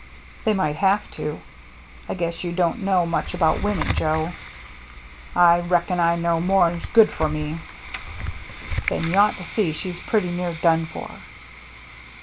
" They might have to. I guess you don't know much about women, Joe." " I reckon I know more'n's good for me." "Then you ought to see she's pretty near done for."